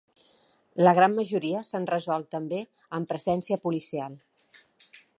La gran majoria s’han resolt també amb presència policial.